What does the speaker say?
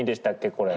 これ？